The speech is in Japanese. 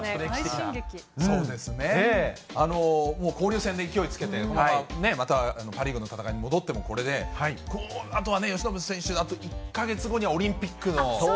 もう交流戦で勢いつけてまたパ・リーグの戦いに戻ってもこれで、このあとは由伸選手、１か月後にはオリンピック。